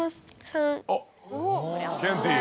おっケンティー。